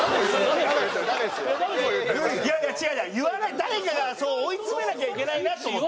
誰かがそう追い詰めなきゃいけないなと思って。